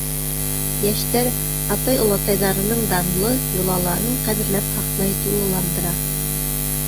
Йәштәр атай-олатайҙарының данлы йолаларын ҡәҙерләп һаҡлай, тулыландыра.